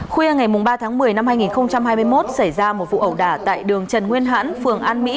khuya ngày ba tháng một mươi năm hai nghìn hai mươi một xảy ra một vụ ẩu đả tại đường trần nguyên hãn phường an mỹ